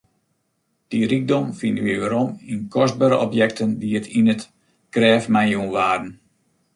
Dy rykdom fine wy werom yn kostbere objekten dy't yn it grêf meijûn waarden.